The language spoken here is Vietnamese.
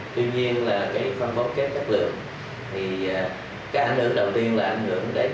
cũng lừa bán các loại phân bón kém chất lượng cho người nông dân